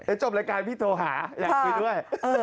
เดี๋ยวจบรายการพี่โทษหาอยากคุยด้วย